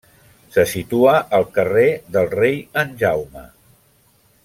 Se situa al carrer del Rei en Jaume.